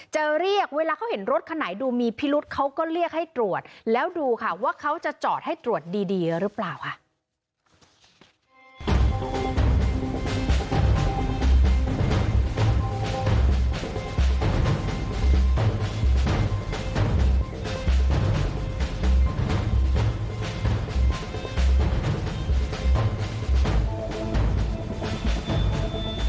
จะเรียกเวลาเขาเห็นรถคันไหนดูมีพิรุษเขาก็เรียกให้ตรวจแล้วดูค่ะว่าเขาจะจอดให้ตรวจดีหรือเปล่าค่ะ